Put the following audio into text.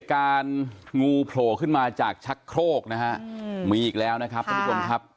การงูโผล่ขึ้นมาจากชักโครกนะฮะมีอีกแล้วนะครับท่านผู้ชมครับ